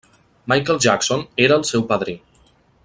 Michael Jackson era el seu padrí.